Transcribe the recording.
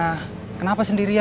aku nunggu sendiri